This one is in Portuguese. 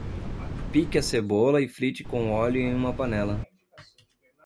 Pique a cebola e frite com óleo em uma panela.